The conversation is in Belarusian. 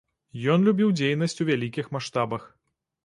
Ён любіў дзейнасць у вялікіх маштабах.